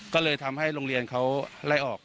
ก็เลยทำให้โรงเรียนเขาไล่ออก